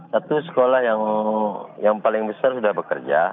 satu sekolah yang paling besar sudah bekerja